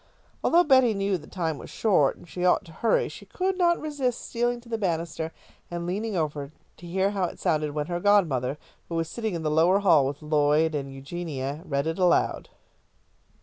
Although Betty knew the time was short and she ought to hurry, she could not resist stealing to the banister and leaning over to hear how it sounded when her godmother, who was sitting in the lower hall with Lloyd and Eugenia, read it aloud.